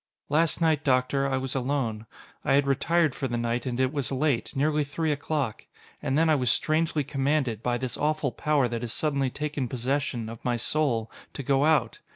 "Last night, Doctor, I was alone. I had retired for the night, and it was late, nearly three o'clock. And then I was strangely commanded, by this awful power that has suddenly taken possession, of my soul, to go out.